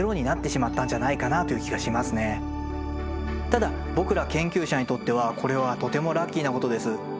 ただ僕ら研究者にとってはこれはとてもラッキーなことです。